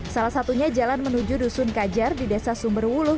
salah satunya jalan menuju dusun kajar di desa sumberwuluh